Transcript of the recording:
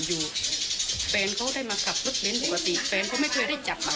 อยู่แฟนเขาได้มาขับรถเบนท์ปกติแฟนเขาไม่เคยได้จับ